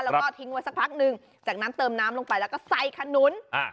แล้วก็ทิ้งไว้สักพักหนึ่งจากนั้นเติมน้ำลงไปแล้วก็ใส่ขนุนอ่า